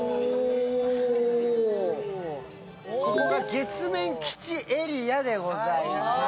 月面基地エリアでございます。